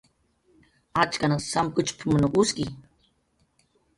"Achkan samkuchp""mn uski"